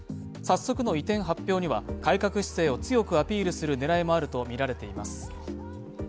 早速の移転発表には改革姿勢を強くアピールする狙いもあるとみられています。